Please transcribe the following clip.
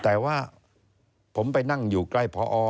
แต่ว่าผมไปนั่งอยู่ใกล้พอ